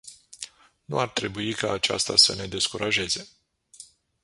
Nu ar trebui ca aceasta să ne descurajeze.